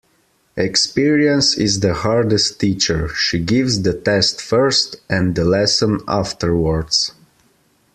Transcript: Experience is the hardest teacher. She gives the test first and the lesson afterwards.